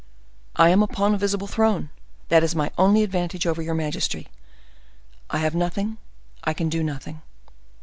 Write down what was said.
I am upon a visible throne; that is my only advantage over your majesty. I have nothing—I can do nothing."